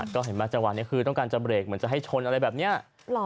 ก็เห็นไหมจังหวะนี้คือต้องการจะเบรกเหมือนจะให้ชนอะไรแบบนี้